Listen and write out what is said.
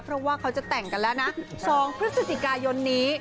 เพราะว่าเขาจะแต่งกันแล้วนะ๒พฤศจิกายนนี้